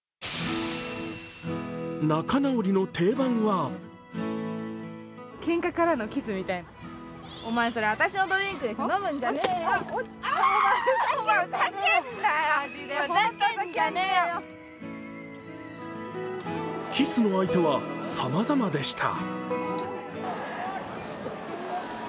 仲直りの定番はキスの相手はさまざまでした。